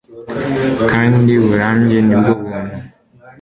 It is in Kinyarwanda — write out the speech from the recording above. kandi burambye nibwo buntu